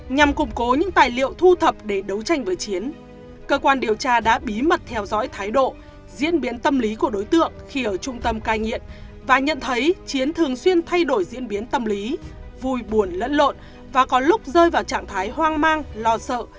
nhằm củng cố những tài liệu thu thập để đấu tranh với chiến cơ quan điều tra đã bí mật theo dõi thái độ diễn biến tâm lý của đối tượng khi ở trung tâm cai nghiện và nhận thấy chiến thường xuyên thay đổi diễn biến tâm lý vui buồn lẫn lộn và có lúc rơi vào trạng thái hoang mang lo sợ